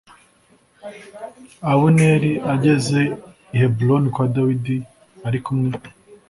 Abuneri ageze i Heburoni kwa Dawidi ari kumwe